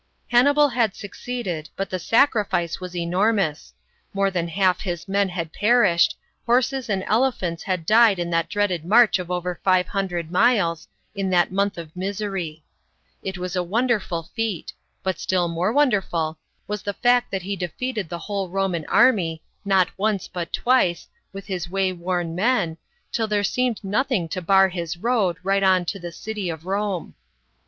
Hannibal had succeeded, but tbe sacrifice was enormous. More than half his ifien had perished; horses and elephants had died in that dreaded 168 HANNIBAL'S VICTORY. [B.C. 217. march of over 500 miles, in that month of misery. It was a wonderful feat ; but still more wonderful was the fact that he defeated the whole Roman army, not once but twice, with his wayworn men, until there seemed nothing to bar his road, right on to the city of Rome.